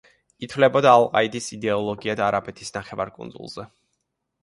ითვლებოდა ალ-ყაიდას იდეოლოგად არაბეთის ნახევარკუნძულზე.